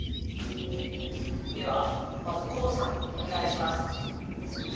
ではまずこうさんお願いします。